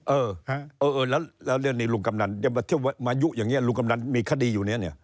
เออแล้วเรื่องนี้ลุงกำนันมายุอย่างนี้ลุงกำนันมีคดีอยู่เนี่ยเนี่ย